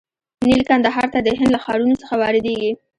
نیل کندهار ته د هند له ښارونو څخه واردیږي.